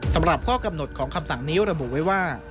สำหรับข้อกำหนดของคำสั่งนี้ระบุไว้ว่า